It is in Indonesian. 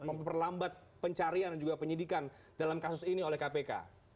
memperlambat pencarian dan juga penyidikan dalam kasus ini oleh kpk